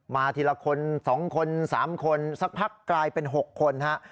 ทีละคน๒คน๓คนสักพักกลายเป็น๖คนฮะ